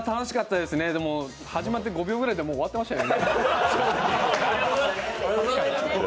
でも始まって５秒くらいで終わってましたけど。